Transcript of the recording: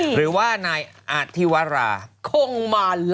หรือว่านายอธิวรา